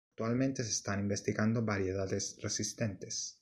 Actualmente se están investigando variedades" "resistentes.